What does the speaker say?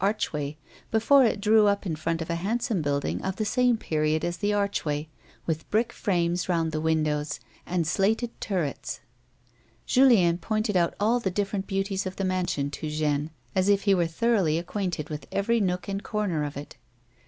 archway before it drew up in front of a handsome building of the same period as the archway, with brick frames round the windows and slated turrets, Julien pointed out all the different beauties of the mansion to Jeanne as if he were thoroughly acquainted with every nook and corner of it.